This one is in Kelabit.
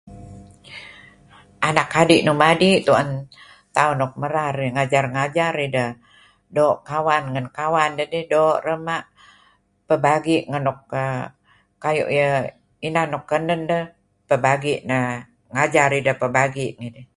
Anak adi' nuk madi' tu'en tauh nuk merar ngajar-ngajar idah doo' kawan ngan kawan dedih doo' rema' pehbagi' ngan nuk kayu' iyeh kinan nuk kenen deh pebagi neh ngajar deh pebagi' ngidih.